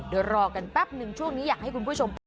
เดี๋ยวรอกันแป๊บนึงช่วงนี้อยากให้คุณผู้ชม